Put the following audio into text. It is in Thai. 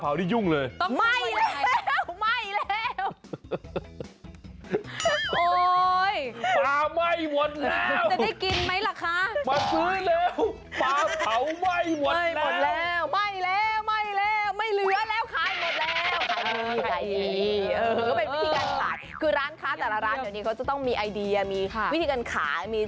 อ่า